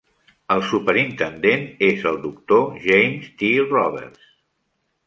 El superintendent és el doctor James T. Roberts.